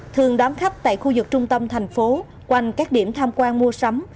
thường đám khách tại khu vực trung tâm tp hcm quanh các điểm tham quan mua sắm